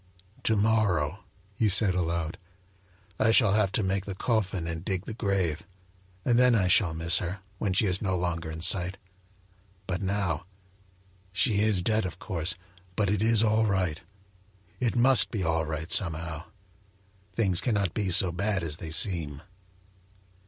"To morrow," he said aloud, "I shall have to make the coffin and dig the grave; and then I shall miss her, when she is no longer in sight; but now she is dead, of course, but it is all right it must be all right, somehow. Things cannot be so bad as they seem."